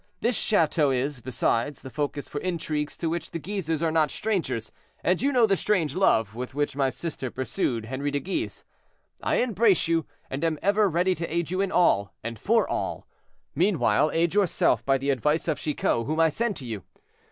This chateau is, besides, the focus for intrigues to which the Guises are not strangers, and you know the strange love with which my sister pursued Henri de Guise. I embrace you, and am ever ready to aid you in all, and for all; meanwhile aid yourself by the advice of Chicot, whom I send to you.